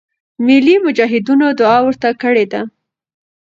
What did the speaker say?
ملی مجاهدینو دعا ورته کړې ده.